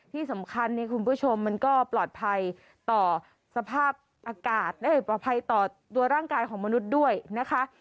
ที่สำคัญเนี่ยคุณผู้ชมมันก็ปลอดภัยต่อสภาพอากาศและปลอดภัยต่อตัวร่างกายของมนุษย์ด้วยนะคะ